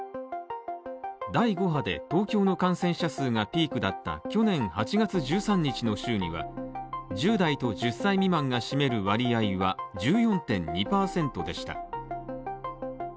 第５波で東京の感染者数がピークだった去年８月１３日の週には１０代と１０歳未満が占める割合は１４．２％でした。